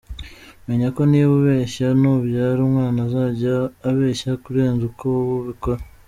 Menya ko niba ubeshya, nubyara umwana azajya abeshya kurenza uko wowe ubikora.